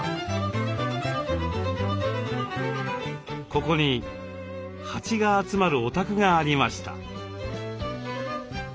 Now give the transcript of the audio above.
ここに蜂が集まるお宅がありました。